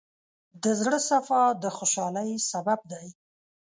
د زړۀ صفا د خوشحالۍ سبب دی.